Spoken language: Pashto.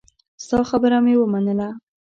ستا خبره مې ومنله.